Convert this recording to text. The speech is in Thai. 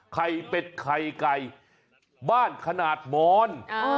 เป็ดไข่ไก่บ้านขนาดมอน